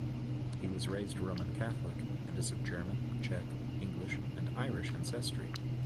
He was raised Roman Catholic, and is of German, Czech, English, and Irish ancestry.